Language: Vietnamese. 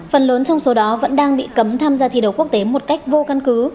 phần lớn trong số đó vẫn đang bị cấm tham gia thi đấu quốc tế một cách vô căn cứ